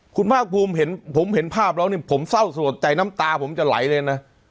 คุณภาคภูมิเห็นผมเห็นภาพแล้วนี่ผมเศร้าสลดใจน้ำตาผมจะไหลเลยนะ